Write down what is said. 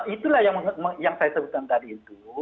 itulah yang saya sebutkan tadi itu